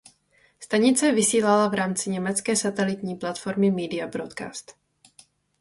Stanice vysílala v rámci německé satelitní platformy "Media Broadcast".